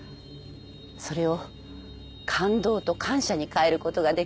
それを感動と感謝に変えることができる葬儀。